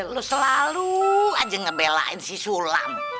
lu selalu aja ngebelain si sulam